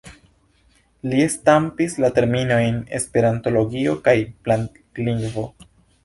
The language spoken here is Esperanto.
Li stampis la terminojn esperantologio kaj planlingvo.